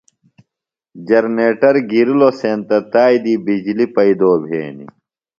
جرنیٹر گِرلوۡ سینتہ تائی دی بجلیۡ پئیدو بھینیۡ۔